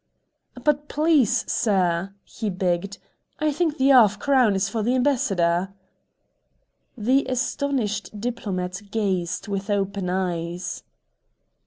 "But, please, Sir," he begged; "I think the 'arf crown is for the Ambassador." The astonished diplomat gazed with open eyes.